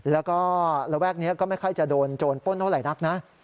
แล้วก็ระแวกนี้ก็ไม่ค่อยจะโดนโจรป้นเท่าไหร่นักนะ